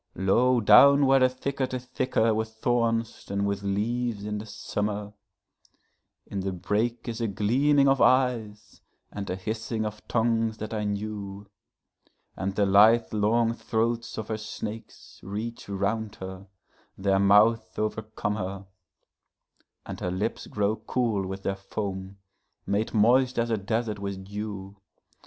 Low down where the thicket is thicker with thorns than with leaves in the summer, In the brake is a gleaming of eyes and a hissing of tongues that I knew; And the lithe long throats of her snakes reach round her, their mouths overcome her, And her lips grow cool with their foam, made moist as a desert with dew.